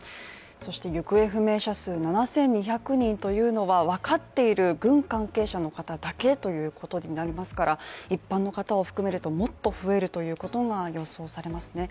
行方不明者数７２００人というのは、分かっている軍関係者のだけということになりますから一般の方を含めるともっと増えるということが予想されますね。